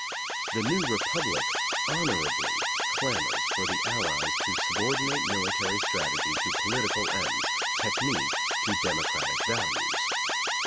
The New Republic honorably clamors for the Allies to subordinate military strategy to political ends, technique to democratic values.